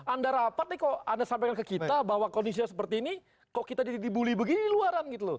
anda rapat nih kok anda sampaikan ke kita bahwa kondisinya seperti ini kok kita dibully begini di luaran gitu loh